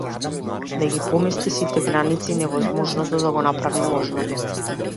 Да ги помести сите граници и невозможното да го направи можно.